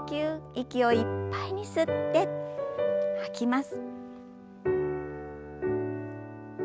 息をいっぱいに吸って吐きます。